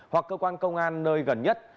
hoặc cơ quan công an nơi gần nhất